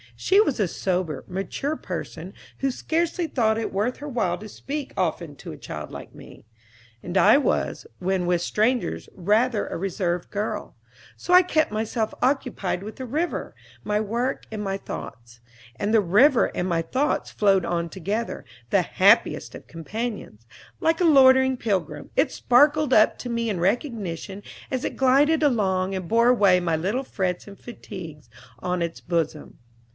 She was a sober, mature person, who scarcely thought it worth her while to speak often to a child like me; and I was, when with strangers, rather a reserved girl; so I kept myself occupied with the river, my work, and my thoughts. And the river and my thoughts flowed on together, the happiest of companions. Like a loitering pilgrim, it sparkled up to me in recognition as it glided along and bore away my little frets and fatigues on its bosom.